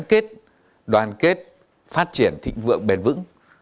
kết đoàn kết phát triển thịnh vượng bền vững